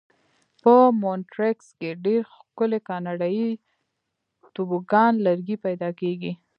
په مونټریکس کې ډېر ښکلي کاناډایي توبوګان لرګي پیدا کېږي.